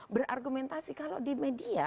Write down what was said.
berargumentasi kalau di media